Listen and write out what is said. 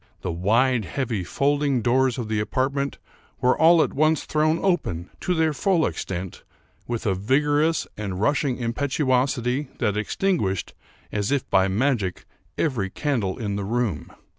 The wide, heavy folding doors of the apartment were all at once thrown open, to their full extent, with a vigorous and rushing impetuosity that extinguished, as if by magic, every candle in the room.